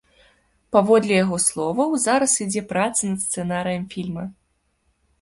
Паводле яго словаў, зараз ідзе праца над сцэнарыем фільма.